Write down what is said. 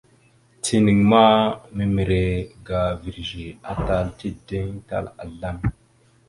Tinaŋ ma miməre ga virəze, atal tideŋ tal azlam.